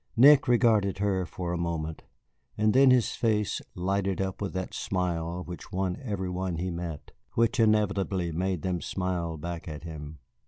Nick regarded her for a moment, and then his face lighted up with that smile which won every one he met, which inevitably made them smile back at him.